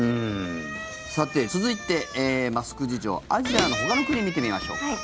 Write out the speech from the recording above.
さて、続いてマスク事情アジアのほかの国を見てみましょうか。